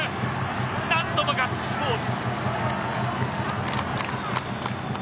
何度もガッツポーズ！